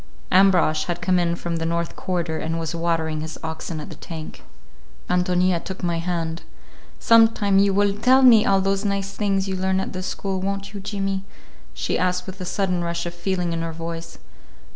Ambrosch had come in from the north quarter, and was watering his oxen at the tank. Ántonia took my hand. "Sometime you will tell me all those nice things you learn at the school, won't you, Jimmy?" she asked with a sudden rush of feeling in her voice.